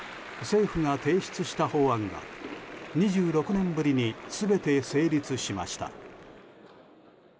政府が提出した法案が２６年ぶりに全て成立しました。